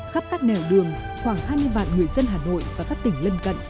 khắp các nẻo đường khoảng hai mươi vạn người dân hà nội và các tỉnh lân cận